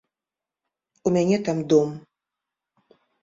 У мяне там дом.